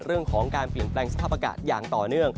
เรื่องของการเปลี่ยนแปลงสภาพอากาศอย่างต่อเนื่อง